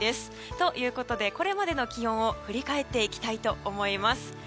ということでこれまでの気温を振り返っていきたいと思います。